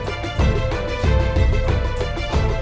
aku sangat jauh dari istana